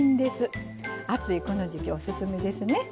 暑いこの時季おすすめですね。